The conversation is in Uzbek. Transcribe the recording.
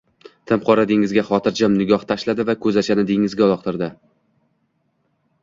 Tim qora dengizga xotirjam nigoh tashladi va ko`zachani dengizga uloqtirdi